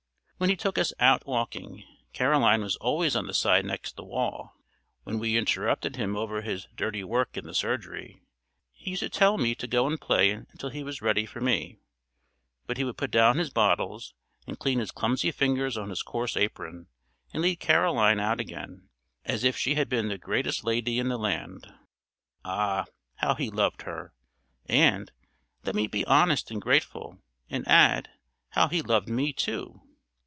When he took us out walking, Caroline was always on the side next the wall. When we interrupted him over his dirty work in the surgery, he used to tell me to go and play until he was ready for me; but he would put down his bottles, and clean his clumsy fingers on his coarse apron, and lead Caroline out again, as if she had been the greatest lady in the land. Ah! how he loved her! and, let me be honest and grateful, and add, how he loved me, too!